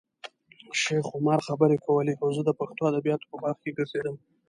شیخ عمر خبرې کولې او زه د پښتو ادبیاتو په باغ کې ګرځېدم.